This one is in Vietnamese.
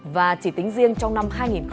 và chỉ tính riêng trong năm hai nghìn hai mươi hai